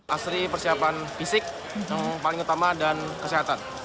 asri persiapan fisik yang paling utama dan kesehatan